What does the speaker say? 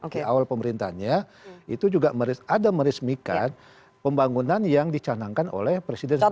di awal pemerintahnya itu juga ada meresmikan pembangunan yang dicanangkan oleh presiden jokowi